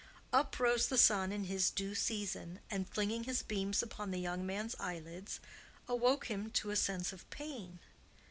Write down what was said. Up rose the sun in his due season, and, flinging his beams upon the young man's eyelids, awoke him to a sense of pain.